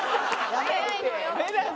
早いよ。